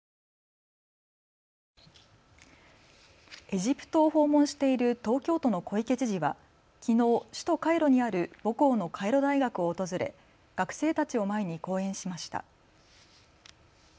エジプトを訪問している東京都の小池知事はきのう、首都・カイロにある母校のカイロ大学を訪れ学生たちを前に講演しました。